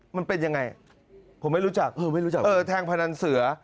มันเป็นยังไงผมไม่รู้จักแทงพนันเสือ